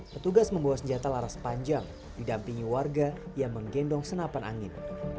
petugas membawa senjata laras panjang didampingi warga yang menggendong senapan angin